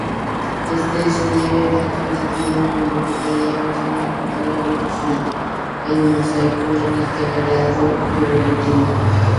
Este escenario alternativo involucraría una significativa evolución en mosaico en este grado evolutivo.